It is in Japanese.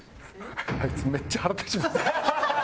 あいつめっちゃ腹立ちますね。